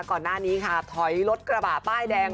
ก่อนหน้านี้ค่ะถอยรถกระบะป้ายแดง